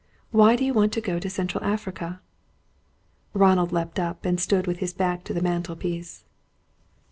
Why do you want to go to Central Africa?" Ronald leapt up and stood with his back to the mantel piece.